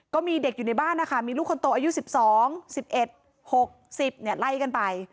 ก็มีเด็กอยู่ในบ้านนะคะมีลูกคนโตอายุ๑๒๑๑๖๐ไล่กันไป